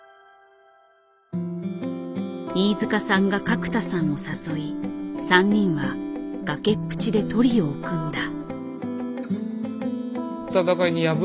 飯塚さんが角田さんを誘い３人は崖っぷちでトリオを組んだ。